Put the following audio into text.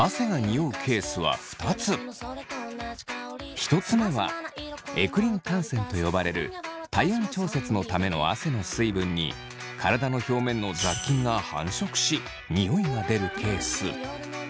一つ目はエクリン汗腺と呼ばれる体温調節のための汗の水分に体の表面の雑菌が繁殖しニオイが出るケース。